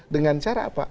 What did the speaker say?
dengan cara apa